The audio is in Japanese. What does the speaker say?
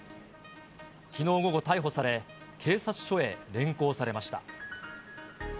きのう午後、逮捕され、警察署へ連行されました。